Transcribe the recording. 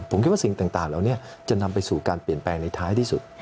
ผมคิดว่าสิ่งต่างเหล่านี้จะนำไปสู่การเปลี่ยนแปลงในท้ายที่สุด